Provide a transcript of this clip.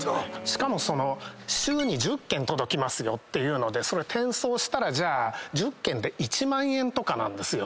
しかも週に１０件届きますよっていうのでそれ転送したら１０件で１万円とかなんですよ。